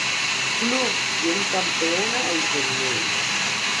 Club quien campeona el torneo.